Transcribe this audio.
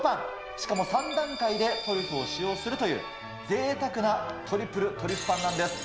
しかも３段階でトリュフを使用するという、ぜいたくなトリプルトリュフパンなんです。